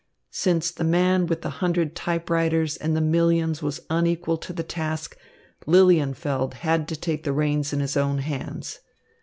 Since the man with the hundred typewriters and the millions was unequal to the task, Lilienfeld had to take the reins in his own hands.